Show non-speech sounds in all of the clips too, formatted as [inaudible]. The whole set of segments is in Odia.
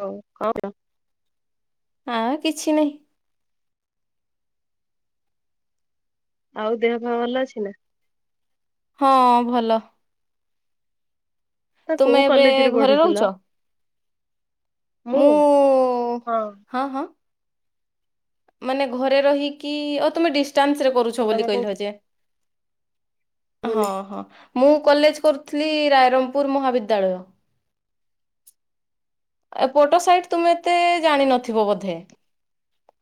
ହଉ କଣ। [unintelligible] ଆଉ କିଛି ନାହିଁ। ଆଉ ଦେହପା ଭଲ ଅଛି ନା? ହଁ ଭଲ। ତମେ ତୁମେ କୋଉ ଏବେ କଲେଜରେ ଘରେ ରହୁଛ ପଢୁଥିଲା ମୁଁ ହଁ। ମାନେ ଘରେ ରହିକି ଓ ତୁମେ ଡିଷ୍ଟାନ୍ସ ରେ କରୁଛ ତମେ ବୋଲି କୋଉଠି କହିଲ ଯେ। ହଁ ବୁନି ହଁ ମୁଁ କଲେଜ କରୁଥିଲି ରାଇରଙ୍ଗପୁର ମହାବିଦ୍ୟାଳୟ। ଏପଟ ସାଇଟି ତୁମେ ଏତେ ଜାଣିିନଥିବ ବୋଧେ?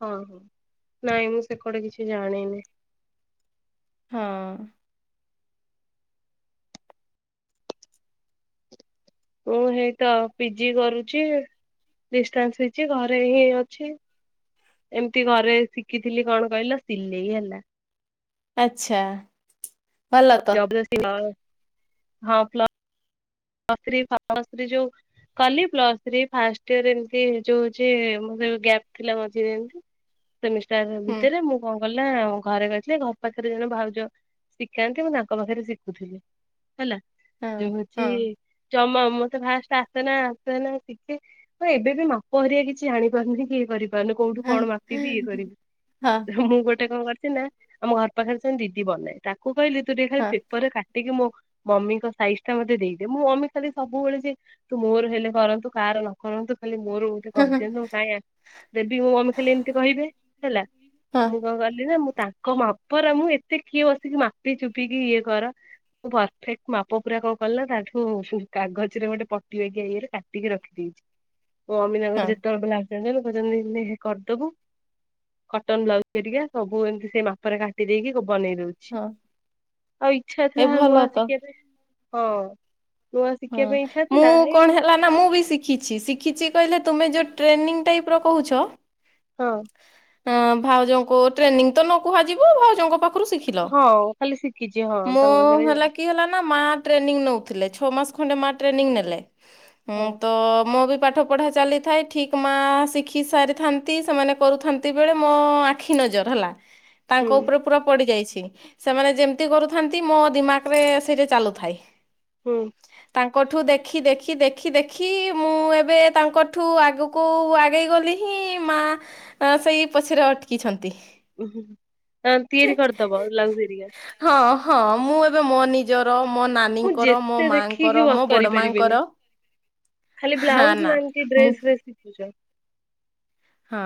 ହଁ ହଁ ନାଇଁ ମୁଁ ସେପଟ କିଛି ଜାଣିନି। ହଁ। ମୁଁ ହେଇତ ପିଜି କରୁଛି। ଡିଷ୍ଟାନ୍ସ ହେଇଛି ଘରେହିଁ ଅଛି। ଏମିତି ଘରେ ଶିଖିଥିଲି କଣ କହିଲ ସିଲେଇ ହେଲା। ଆଛା। [unintelligible] କଲି ପ୍ଲସଥ୍ରୀଫାଷ୍ଟୟର ଏମିତି ଯୋଉଅଛି ମୋ ଗ୍ୟାପ ମଝିରେ ଏମିତି। ସେମିଷ୍ଟାର ହୁଁ ଭିତରେ ମୁଁ କଣ କଲିନା ଘରେ କହିଥିଲି ଘର ପାଖରେ ଜଣେ ଭାଉଜ। ଶିଖାନ୍ତି ମୁଁ ତାଙ୍କପାଖରେ ଶିଖୁଥିଲି ହେଲା ହଁ ଯେ ହଉଚି ହଁ ଜମା ମୋତେ ଫାଷ୍ଟେ ଆସେନା ଆସେନା ଶିଖେ ହ ଏବେପି ମାପରେ କିଛି ଆଣିପାରୁନି କି। ଇଏ କରି ମାନେ କୋଉଠୁ ହଁ କଣ ମାପିବି ଇଏ ହଁ କରିବି ମୁଁ ଗୋଟେ କଣ କରିଚି ନା ଆମ ଘର ପାଖରେ ସେଦିଦି ବନାଏ ତାକୁ କହିଲେ ତୁ ଟିକେ ଖାଲି ହଁ ପେପରରେ କା ଟିକେ ମୋ ମମିଙ୍କ ସାଇଜ ଟା ମୋତେ ଦେଇ ହେ ମୋ ମମିଖାଲି ସବୁବେଳେ ସେ ତୁ ମୋର ହେଲେ କରନ୍ତୁ କାହାର ନ କରନ୍ତୁ ଖାଲି ମୋର। ହଁ କରିଦିଅନ୍ତୁ କାଇଁ ଆ ଦେବି ମୋ ମମି ଖାଲି ଏମିତି କହିବେ ହେଲା। ମୁଁ କଣ କଲିି ନା ମୁଁ ତାଙ୍କ ମାପର ମୁଁ ଏତେ କିଏ ବସିକି ମାପି ଚୁପିକି ଇଏ କର। ମୁଁ ପରଫେକ୍ଟ ମାପ ପୁରା କଣ କଲି ନା ତା ଠୁ ମୁଁ କାଗଜରେ ଗୋଟେ ପଟିିବାକି ଇଏ ରେ କାଟିକି ରଖିଦେଇଛି ମୋ ମମି ହଁ ତାଙ୍କର ଯେତେବେଳେ କହିଲା ଜଣ ଲୋକଛନ୍ତି କରିଦବୁ। [unintelligible] କଟନ ବ୍ଲାଉଜ ହେରିକା ସବୁ ଏମିତି ସେଇ ମାପରେ କାଟି ଦେଇକି ବନେଇ ଦଉଛି। ହଁ ଆଉ ଇଛା ଏ ଥିଲା ଭଲ ନୂଆ ତ ଶିଖିବା ପାଇଁ ହଁ। ନୂଆ ହଁ ଶିଖିବା ପାଇଁ ଇଚ୍ଛା ମୁଁ ଥିଲା ଏଇ କଣ ହେଲା ନା ନା ମୁଁ ବି ଶିଖିଛି ଶିଖିଛି କହିଲେ ତୁମେ ଯୋଉ ଟ୍ରେନିଂ ଟାଇପ ର କହୁଛ ହଁ। ହ ଭାଉଜଙ୍କୁ ଟ୍ରେନିଂ ତ ନ କୁହାଯିବ ଭାଉଜଙ୍କ ପାଖ ରୁ ଶିଖିଲ। ହଁ ଖାଲି ଶିଖିଛି ହଁ ମୁଁ ତାଙ୍କ ଘରେ ହେଲା କି କିଏ ହେଲା ନା ମାଆ ଟ୍ରେନିଂ ନେଉଥିଲେ। ଛଅ ମାସ ଖଣ୍ଡେ ମା ଟ୍ରେନିଂ ନେଲେ। ହୁଁ ହଁ ତ ମୁଁ ବି ପାଠ ପଢ଼ା ଚାଲିଥାଏ ଠିକ୍ ମାଆ ଶିଖି ସାରିଥାନ୍ତି ସେମାନେ କରୁଥାନ୍ତି ବେଳେ ମୋ ଆଖି ନଜର ହେଲା। ହ [unintelligible] ହୁଁ ତାଙ୍କ ଉପରେ ପୁରା ପଡି ଯାଇଛି। ସେମାନେ ଯେମିତି କରୁଥାନ୍ତି ମୋ ଦିମାଗ ରେ ସେଇଟା ଚାଲୁଥାଏ। ହୁଁ। ତାଙ୍କଠୁ ଦେଖି ଦେଖି ଦେଖି ଦେଖି ମୁଁ ଏବେ ତାଙ୍କଠୁ ଆଗକୁ କୁ ଆଗେଇ ଗଲି ହିଁ ମା ସେଇ ପଛରେ ଅଟକିଛନ୍ତି। ଉ ହ ତିଆରି କରଦବ ବ୍ଲାଉଜ ହେରୀକା? ହଁ ହଁ ମୁଁ ଏବେ ମୋ ନିଜର, ମୋ ନାନୀଙ୍କର, ମୋ ମା ଠିକ୍ ଭାବେ କରିପାରିବିନି ଖାଲି ହଁ ବ୍ଲାଉଜ ନା ମୁଁ ଡ୍ରେସସ୍ ଶିଖୁଛ? ହଁ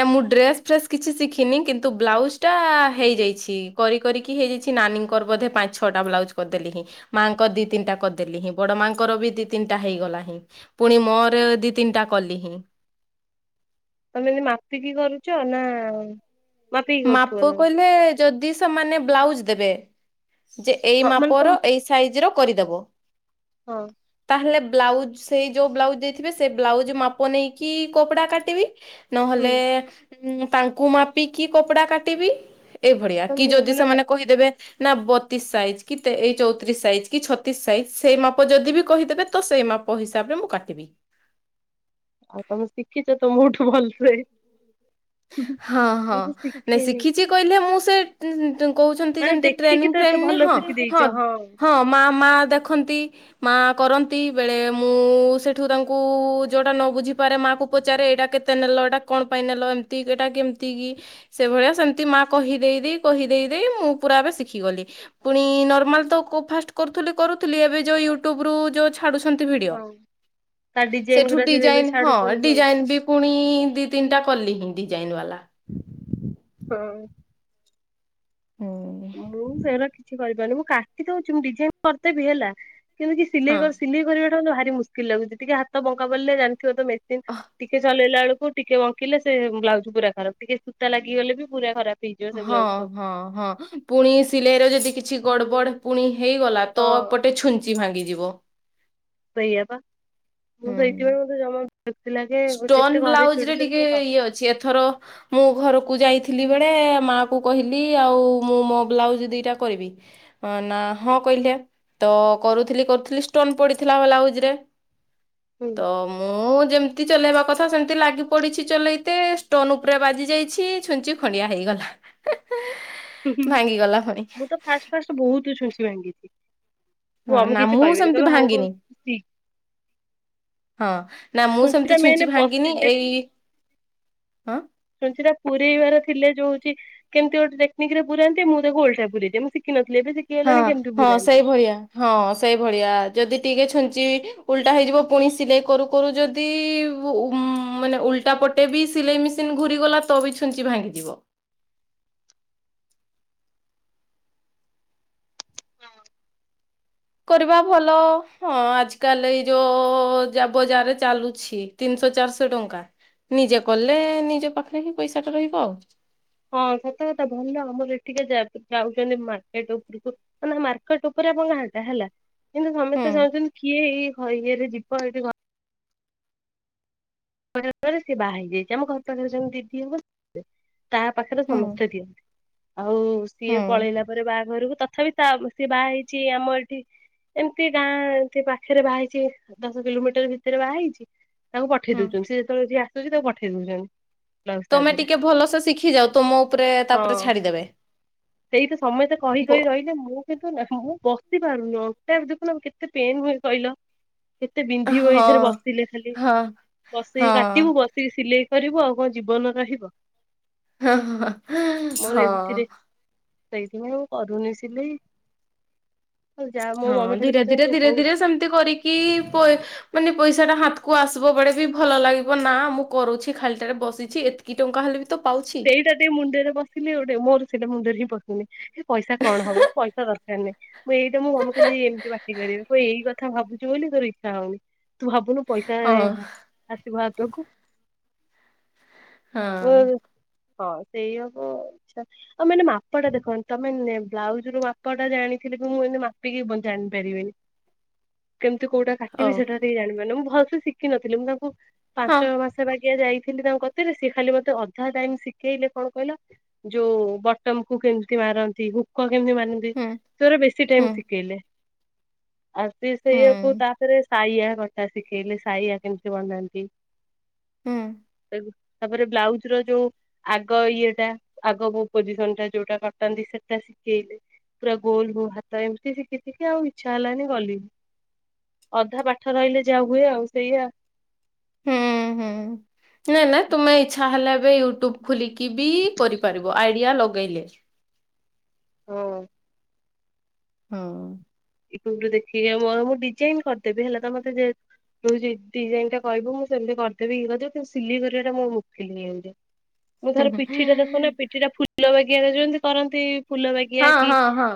ନା ମୁଁ ଡ୍ରେସ ଫ୍ରେସ୍ କିଛି ଶିଖିନି କିନ୍ତୁ ବ୍ଲାଉଜ ଟା ତମେ ହେଇଯାଇଛି। କରି କରିକି ହେଇଯାଇଛି। ନାନୀଙ୍କର ବୋଧେ ପାଞ୍ଚ ଛଅଟା ବ୍ଲାଉଜ କରିଦେଲିନି। ମାଆଙ୍କ ଦି ତିନଟା କରିଦେଲିନି ହିଁ। ବଡ ମାଆଙ୍କର ବି ଦି ତିନିଟା ହେଇଗଲାନି ହିଁ ପୁଣି ମୋର ଦି ତିନିଟା କଲିନି ହିଁ। ତମେ ଏ ମିତି ମାପିକି କରୁଛ ନା ମାପିକି କରୁଥିବ ମାପ ତମେ? କହିଲେ ଯଦି ସେମାନେ ବ୍ଲାଉଜ ଦେବେ ଯେ ଏଇ ହଁ ମାନେ ତମ ମାପର ଏଇ ସାଇଜ ର କରିଦେବ। ହଁ। ତାହେଲେ ବ୍ଲାଉଜ ସେଇ ଯୋଉ ବ୍ଲାଉଜ ଦେଇଥିବେ ସେ ବ୍ଲାଉଜ ମାପ ନେଇକି କପଡା କାଟିବି। ନହେଲେ ହୁଁ ତାଙ୍କୁ ମାପିକି କପଡା କାଟିବି। ଏଇଭଳିଆ କି ତମେ ଯଦି ମାନେ ସେମାନେ କହିଦେବେ ନା ବତିଶ ସାଇଜ୍ କି ଏଇ ଚଉତିରିଶ ସାଇଜ କି ଛତିଶ ସାଇଜ ସେଇ ମାପ ଯଦି ବି କହିଦେବେ ତ ସେଇ ମାପ ମୋ ହିସାବରେ ମୁଁ କାଟିବି। ଆଉ ତମେ ଶିଖିଛ ମୋ ଠୁ ଭଲସେ। ହଁ ହଁ ମୁଁ ତ ନାଇଁ ଶିଖିନି ଶିଖିଛି କହିଲେ ମୁଁ ସେ କହୁଛନ୍ତି ମାନେ ଯେମତି ଦେଖିକି ଟ୍ରେନିଂ ତ ଫ୍ରେ ଏତେ ଭଲ ହଁ ଶିଖି ଦେଇଛ ହଁ ହଁ ମା ମା ଦେଖନ୍ତି। ମା କରନ୍ତି ବେଳେ ମୁଁ ସେଠୁ ତାଙ୍କୁ ଯୋଉଟା ନ ବୁଝିପାରେ ମାକୁ ପଚାରେ ଏଇଟା କେତେ ତେ ନେଲ, ଏଇଟା କଣ ପାଇଁ ନେଲ, ଏମିତି ଏଟା, କେମିତି କି? ସେଭଳିଆ ସେମିତି ମା କହିଦେଇ ଦେଇ କହିଦେଇ ଦେଇ ମୁଁ ପୁରା ଏବେ ଶିଖିଗଲି। ପୁଣି ନର୍ମାଲ ତ ଫାଷ୍ଟ କରୁଥିଲି କରୁଥିଲି ଏବେ ଯଉ ୟୁଟୁବ ରୁ ଯୋଉ ଛାଡୁଛନ୍ତି ଭିଡିଓ ହଁ ତା ଡିଜାଇନ ସେଠୁ ଗୁରା ସେ ଏବେ ଡିଜାଇନ୍ ହଁ ଛାଡୁଛନ୍ତି ସବୁ ଡିଜାଇନ୍ ବି ପୁଣି ଦି ତିନିଟା କଲି ହିଁ ଡିଜାଇନ ବାଲା। ହୁଁ। ହୁଁ। ମୁଁ ସେରା କିଛି କରିପାରୁନି। ମୁଁ କାଟି ଦଉଛି ମୁ ଡିଜାଇନ କରିଦେବି ହେଲା କିନ୍ତୁ କି ହଁ ସିଲେଇ ସିଲେଇ କରିବାଟା ଭାରି ମୁସ୍କିଲ ଲାଗୁଛି ଟିକେ ହାତ ବଙ୍କା ପଡିଲେ ଜାଣି ଯୋଉ ତ ମେସିନ୍ ଅ ଟିକେ ଚଲେଇଲା ବେଳକୁ ଟିକେ ବଙ୍କିଲେ ସେ ବ୍ଲାଉଜ୍ ପୁରା ଖରାପ, ଟିକେ ସୂତା ଲାଗିଗଲେ ବି ପୁରା ଖରାପ। ହେଇଯିବ ସେ ହଁ, ବ୍ଲାଉଜ ସବୁ। ହଁ, ହଁ, ପୁଣି ଏ ସିଲେଇର ଯଦି କିଛି ଗଡ ବଡ ପୁଣି ହେଇଗଲା। ତ ହଁ। ଏପଟେ ଛୁଞ୍ଚି ଭାଙ୍ଗିଯିବ। ସେଇ ଆ ପା ହୁଁ ସେଥିପାଇଁ ମୋତେ ଜମା ଶାନ୍ତି ଲାଗେ। ଯେତେ ଷ୍ଟୋନ୍ ଘରେ ବ୍ଲାଉଜ୍ ରେ ଚିଡୁଛନ୍ତି ଟିକେ ମୁଁ କରେ। ଇଏ ଅଛି ଏଥର ମୁଁ ଘରକୁ ଯାଇଥିଲି ବେଳେ ମାଆ କୁ କହିଲି ଆଉ ମୁଁ ମୋ ବ୍ଲାଉଜ ଦିଇଟା କରିବି। ହଁ ନା ହଁ କହିଲେ। ତ କରୁଥିଲି କରୁଥିଲି ଷ୍ଟୋନ୍ ପଡିଥିଲା ବ୍ଲାଉଜ ରେ। ହୁଁ ତ ମୁଁ ଯେମ ତି ଚଲେଇବା କଥା ସେମିତି ଲାଗି ପଡିଛି ଚଲେଇତେ ଷ୍ଟୋନ୍ ଉପରେ ବାଜି ଯାଇଛି ଛୁଞ୍ଚି ଖଣ୍ଡିଆ ହେଇଗଲା। ଭାଙ୍ଗିଗଲା ଫୁଣି। ମୁଁ ତ ଫାଷ୍ଟ ଫାଷ୍ଟ ବହୁତୁ ଛୁଞ୍ଚି ଭାଙ୍ଗିଚି। ମୋ ହଁ ମମି ନା କିଛି ମୁଁ କହିବେନି ସେମିତି ହଉ ହଉ ଭାଙ୍ଗିନି ଶିଖ୍। ହଁ ନା ମୁଁ ସେମତି ମେନ ଛୁଞ୍ଚି ଭାଙ୍ଗିନି ପଶି ଏଇ, ହଁ। ଛୁଞ୍ଚି ପୁରେଇବାର ଥିଲେ ଯୋଉ ହଉଚି କେମିତି ଗୋଟେ ଟେକ୍ନିକ୍ ରେ ପୁରାନ୍ତି ମୁଁ ତାକୁ ଓଲଟା ପୁରେଇଦିଏ, ମୁଁ ଶିଖିନଥିଲି ଏବେ ଶିଖି ହଁ ହଁ ସେଇ ଭଳିଆ ହଁ ସେଇଭଳିଆ ଯଦି ଟିକେ ଛୁଞ୍ଚି ଓଲଟା ହେଇଯିବ ପୁଣି ସିଲେଇ କରୁ କରୁ ଯଦି ଉ ମାନେ ଉଲଟା ପ ଟେ ବି ସିଲେଇ ମେସିନ୍ ଘୁରିଗଲା ତ ବି ଛୁଞ୍ଚି ଭାଙ୍ଗିଯିବ। କରିବା ଭଲ ହଁ ଆଜ କାଲି ଏଇ ଯୋଉ ଯା ବଜାରରେ ଚାଲୁଛି। ତିନିଶହ ଚାରିଶହ ଟଙ୍କା ନିଜେ କଲେ ନିଜ ପାଖରେ ହି ପଇସାଟା ରହିବ ଆଉ। ହଁ ସତ କଥା ଭଲ ଆମର ଏଠିକେ ଯା ଯାଉଛନ୍ତି ମାର୍କେଟ ଉପରକୁ। ଅନା ମାର୍କେଟ୍ ଉପରେ ଆପଣ ଗାଁ ଟା ହେଲା। କିନ୍ତୁ ହୁଁ ସମସ୍ତେ ଚାହୁଁଛନ୍ତି କିଏ ଏଇ ହ ଇଏରେ ଯିବ ଏଇଠି ଘ କୋଡିଏ ହଜାର ଟଙ୍କାରେ ସେ ବାହା ହେଇଯାଇଛି ଆମ ଘର ପାଖରେ ଜଣେ ଦିଦି ହବ ତା ପାଖରେ ହୁଁ ସମସ୍ତେ ଦିଅନ୍ତି। ଆଉ ହୁଁ ସିଏ ପଳେଇଲା ପରେ ବାହାଘରକୁ ତଥାପି ତା ସିଏ ବାହା ହେଇଛି ଆମର ଏଠି ଏମିତି ଗାଁ ଏମତି ପାଖରେ ବାହାହେଇଛି ଦଶ କିଲୋମିଟର ଭିତରେ ବାହାହେଇଛି। ତାଙ୍କୁ ପଠେଇ ହୁଁ। ଦଉଛନ୍ତି ସ ଯେତେବେଳେ ଯି ଆସୁଛି ତାକୁ ପଠେଇ ଦଉଛନ୍ତି। ବ୍ଲାଉଜ ତା ତମେ ଦେହରେ। ଟିକେ ଭଲସେ ଶିଖି ଯାଉ ତମ ଉପରେ ତାପରେ ଛାଡିଦେବେ। ସେଇ ତ ସମସ୍ତେ କହି ବୋ କହି ରହିଲେ ମୁଁ କିନ୍ତୁ ନା ମୁଁ ବସି ପାରୁନି ଅଣ୍ଟା ଦେଖୁନ କେତେ ପେନ୍ ହୁଏ କହିଲ। କେତେ ହଁ ବିନ୍ଧିବ ଏଇଥରେ ବସିଲେ ଖାଲି, ହଁ ବସିକି ହଁ। କାଟିବୁ, ବସି କି ସିଲେଇ କରିବ ଆଉ କଣ ଜୀବନ ରହିବ। ହଁ ହଁ, ମୋର ଏମିତିରେ ହଁ। ସେଇଥିପାଇଁ ମୁ କରୁନି ସିଲେଇ। ଆଉ ଯାହା ମୋ ହଁ ମମି ଖାଲି ଧୀରେ କହୁଛନ୍ତି ଧୀରେ ତୁ ଧୀରେ ହଉ ଧୀରେ ସେମିତି କରିକି ପଇସା ମାନେ ପଇସା ଟା ହାତକୁ ଆସିବ ବେଳେ ବି ଭଲ ଲାଗିବ ନା ମୁଁ କରୁଛି ଖାଲିଟାରେ ବସିଛି ଏତିକି ଟଙ୍କା ହେଲେ ବି। ତ ପାଉଛି ସେଇଟା ଟିକେ ମୁଣ୍ଡରେ ପସିଲେ ଗୋଟେ ମୋର ସେଇଟା ମୁଣ୍ଡରେ ହିଁ ପଶୁନି ପଇସା କଣ ହବ ପଇସା ଦରକାର ନାହିଁ। ମୁଁ ଏଇଟା ମୋ ମମି ଖାଲି ଏମିତି ପାଟି କରିବେ କହିବେ ଏଇ କଥା ଭାବୁଛି ବୋଲି ତୋର ଇଚ୍ଛା ହଉନି। ତୁ ଭାବୁନୁ ପଇସା ଏ ହଁ ଆସିବ ହାତକୁ। ହଁ। ହଁ ସେଇଆ କୁ ଇଛା ନାହିଁ। ଆଉ ମାନେ ମାପାଟା ଦେଖନ୍ତୁ ତମେ ନେ ବ୍ଲାଉଜ ରୁ ମାପ ଟା ଜାଣିଥିଲେ ବି ମୁଁ ଏମିତି ମାପିକି ଜାଣିପାରିବିନି [inaudible] କେମିତି କୋଉଟା ଓ କାଟିବି ସେଟା ଟିକେ ଜାଣିପାରୁନି, ମୁଁ ଭଲସେ ଶିଖିିନଥିଲି ମୁଁ ତାଙ୍କୁ ହଁ ପାଞ୍ଚ ମାସ ପାଇଁ। କିଆ ଯାଇଥିଲି ତାଙ୍କ କତିରେ ସିଏ ଖାଲି ମତେ ଅଧା ଟାଇମ୍ ଶିଖେଇଲେ କଣ କହିଲ ଯୋଉ ବଟମ୍ କୁ କେମିତି ମାରନ୍ତି, ହୁ କଣ କେମିତି ମାନନ୍ତି ହୁଁ ସେଉରା ବେଶୀ ହୁଁ ଟାଇମ୍ ଶିଖେଇଲେ। ଆଉ ସିଏ ହୁଁ ସେଇଆକୁ ତାପରେ ଶାୟା କଟା ଶିଖେଇଲେ, ସାଇଆ କେମିତି ବନାନ୍ତି? ହୁଁ ତାପରେ ବ୍ଲାଉଜ ର ଯୋଉ ଆଗ ଇଏଟା ଆଗୋ ପୋଜିସନ୍ ଟା ଯୋଉଟା କଟାନ୍ତି ସେଟା ଶିଖେଇଲେ ପୁରା ଗୋଲ ହଉ ହାତ ଏମିତି ଶିଖି ଶିଖି ଆଉ ଇଚ୍ଛା ହେଲାନି ଗଲିନି ଅଧା ପାଠ ରହିଲେ ଯାହା ହୁଏ ଆଉ ସେୟା ହୁଁ ହୁଁ ହୁଁ ନା ନା ତୁମେ ଇଚଛା ହେଲେ ଏବେ ୟୁଟ୍ୟୁବ ଖୋଲିକି କି ବି କରିପାରିବ ଆଇଡ଼ିଆ ଲଗେଇଲେ ହଁ ହଁ ୟୁଟ୍ୟୁବୁ ଦେଖିକି ମୁଁ ଡିଜାଇନ କରିଦେବି ହେଲା ତ ମୋତେ ଯେ ତୁ ଯ ଡିଜାଇନ୍ ଟା କିବ ମୁଁ ସେମିତି କରିଦେବି ଇ କରିଦବି କିନ୍ତୁ ସିଲେଇ କରିବା ଟା ମୁଁ ମୁକିଲିନି ଏମିତି [unintelligible] ମୁଁ ଧର ପିଠିଟା ଦେଖ ନା ପିଠି ପୁ ଫୁଲ ବାଗିଆ ଯେମିତି କରନ୍ତି ଫୁଲ ବାଗିିବା କି ହଁ ହଁ।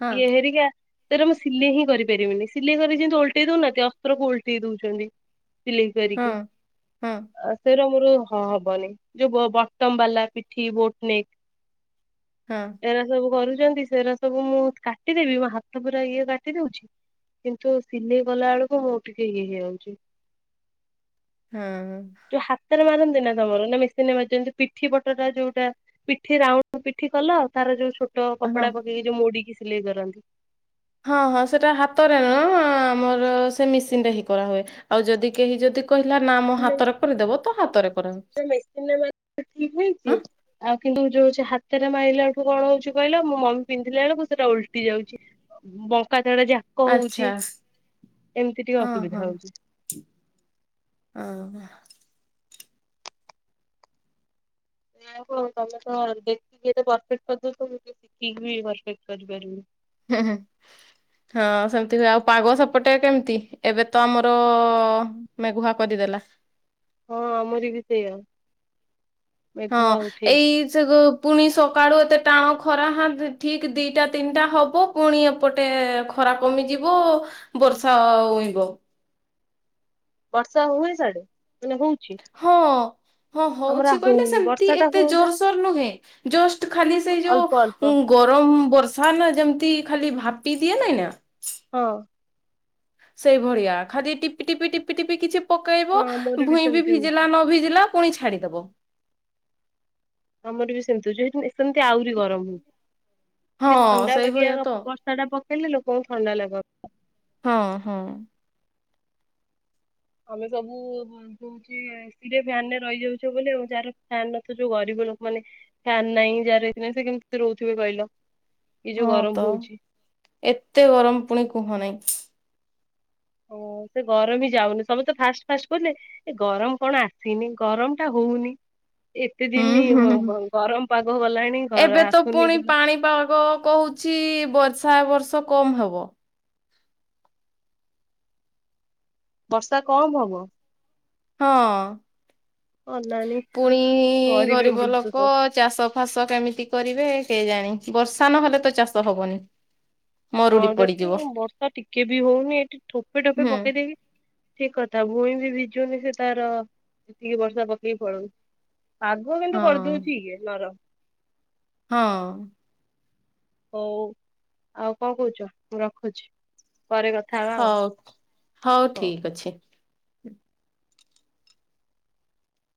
ହଁ ହେରିକା ତରେ ମୁଁ ସିଲେଇ ହିଁ କରିପାରିବିନି ସିଲେଇ କରି ଯେମିତି ଓଲଟେଇ ଦଉନାହାନ୍ତି ଅସ୍ତ୍ରକୁ ଓଲଟେଇ ଦଉଛନ୍ତି ଫିଲି କରିକି ହଁ ହଁ ଆ ସେରା ମର ହଁ ହବନି ଯୋଉ ବଟମ ବାଲା ପିଠି ବୋଟ ନ ହଁ ସେ ସବୁ କରୁଛନ୍ତି ସେରାା ସବୁ ମୁଁ କାଟିଦେବି ପୁରା ଇଏ କାଟି ଦଉଛି କିନ୍ତୁ ସିଲେଇ କଲା ବେଳକୁ ମୁୋ ଟିକେ ଇଏ ହେଇଯାଉଛି ହୁଁ ଯୋଉ ହାତରେ ମାରନ୍ତି ନା ତମର ନା ମେସିନରେ ମାରି ପିଠି ପଟ ଟା ଯୋଉଟା ପିଠି ରାଉଣ୍ଡ ପିଠି କଲ ଆଉ ତାର ଯୋଉ ଛୋଟ ହଁ। କପଡା ପକେଇକି ଯୋଉ ମୋଡିକି ସିଲେଇ କରନ୍ତି ହଁ ହଁ ସେଟା ହାତରେ ନ ଆମର ସେ ମେସିନଟା ହିଁ କରାହୁଏ ଆଉ ଯଦି କେହି ଯଦି କହିଲା ନା ମୋ ହାତରେ କରିଦେବ ତ ହାତରେ କରା ମେସିନ ମ ଠିକ ହେଇଛି ଆଉ କିନ୍ତୁ ଯୋଉ ହାତ ରେ ମାଇଲା ଠୁ କଣ ହଉଛି କହିଲ ମ ମି ପିନ୍ଧିଲା ବଳକୁ ସେଟା ଓଲ୍ଟି ଯାଉଛି ବଙ୍କା ତଡା ଯାକ ହଉଛି ଆଚ୍ଛା ଏମିତି ଟିକେ ଅସୁବିଧା ହଉଛି ଅ ହଁ କଉ ତମେ ତ ଦେଖିକି ଏ ପର୍ଫେକ୍ଟ କରିଦଉଚ ମୁଁ ଶିଖିକି ବି ପର୍ଫେକ୍ଟ୍ କରିପାରିବି ହୁଁ ହୁଁ ହଁ ସେମିତି ହୁଏ ଆଉ ପାଗ ସେପଟେ କେମିତି ଏବେ ତ ଆମର ମେଗୁଆ କରି ଦେ ହଁ ଆମରି ବି ସେୟା ହଁ ମେଘ ଆଉ ଠି ଏଇ ସେ ପୁଣି ସକାଳୁ ଏତେ ଟାଣ ଖରା ହଁ ଠିକ ଦିଟା ତିନ୍ଟା ହବ ପୁଣି ଏପଟେ ଖରା କମିଯିବ ବର୍ଷା ହଇବ ବର୍ଷା ହୁଏ ସଡେ ମାନେ ହ ହଁ ହଁ ହଉଛି କହିଲେ ହଉନି ସେମତି ବର୍ଷା ଟା ଏତେ ହୁଅନ୍ତା। ଜୋରସୋର ନୁହେଁ ଜଷ୍ଟ ଖାଲି ସେଇ ଯୋଉ ଅଳ୍ପ ଅଳ୍ପ ଉଁ ଗରମ ବର୍ଷା ନା ଯେମିତି ଖାଲି ଭାପି ଦିଏ ନାଇଁ ନା ହଁ ସେଇଭଳିଆ ଖାଲି ଟିପି ଟିପି ଟିପି କିଛି ପକେଇବ ହଁ ଆମର ବି ଭୁଇଁବି ସେମିତି ହଉଛି ଭିଜିଲା ନ ଭିଜିଲା ପୁଣି ଛାଡ଼ିଦବ। ଆମରବି ସେମିତି ହଉଚି ଏଇଠୁ ସେମିତି ଆହୁରି ଗରମ ହଉଚି ହଁ ଟିକେ ଥଣ୍ଡା ବାକିଆ ସେଇଭଳିଆ ତ ବ ଟା ପକେଇଲେ ଲୋକଙ୍କୁ ଥଣ୍ଡା ଲାଗ ହଁ ହଁ। ଆମେ ସବୁ ଯୋଉ ଏସି ରେ ଫ୍ୟାନରେ ରହିଯାଉଚୁ ବୋଲି ଆଉ ଯାହାର ଫ୍ୟାନ୍ ନଥବ ଯୋଉ ଗରିବ ଲୋକମାନେ ଫ୍ୟାନ୍ ନାହିଁ ଯାହାର ଏଇଥିରେ ନାଇଁ ସେ କେମିତି ରହୁଥିବେ କହିଲ? ଏଇ ଯୋଉ ଗରମ ହଁତ ହଉଛି। ଏତେ ଗରମ ପୁଣି କୁହ ନାହିଁ। ଓ ସେ ଗରବି ଯାଉନି ସବୁତେ ଫାଷ୍ଟ ଫାଷ୍ଟ ବୋଲେ ଏ ଗରମ କଣ ଆସିନି ଗରମଟା ହଉନି ଏତେ ହୁଁ ଦିନ ହୁଁ ହୁଁ। ଗରମ ପାଗ ଗଲାଣି ଏବେ ତ ଆସୁନି ପୁଣି କଣ? ପାଣିପାଗ କହୁ ଚି ବର୍ଷା ଏବର୍ଷ କମ୍ ହବ। ବର୍ଷା କମ୍ ହବ। ହଁ ଅନାନି ପୁଣି ମରିବେ ଗରିବ ମଣିଷ ଲୋକ ସବୁ ଚାଷ ଫାସ କେମିତି କରିବେ କେଜାଣି ବର୍ଷା ନହେଲେତ ଚାଷ ହବନି? ହଁ ମରୁଡି ପଡିଯିବ। ଦେଖୁ ବର୍ଷା ଟିକେବି ହଉନି ଏଠି ଠୋପେ ଠୋପେ ହୁଁ ପକେଇଦେଇକି ଠିକ୍ କଥା ଭୁଇଁବି ଭିଜୁନି ସେତାର ଏତିକି ବର୍ଷା ପକେଇ ପଳଉଚି। ପାଗ କିନ୍ତୁ ହଁ। କରିଦଉଚି ନର ହଁ। ହଉ ଆଉ କଣ କହୁଛ ମୁଁ ରଖୁଛି ପରେ କଥା ହବା ଆଉ? ହଉ ହଉ ଠିକ୍ ଅଛି।